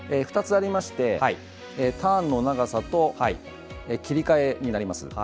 ２つありましてターンの長さと切り替えです。